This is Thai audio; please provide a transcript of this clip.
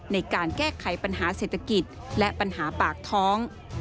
ในการแก้ไขปัญหาเศรษฐกิจและปัญหาปากท้อง